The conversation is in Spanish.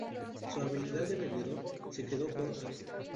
Su habilidad de vendedor se quedó corta.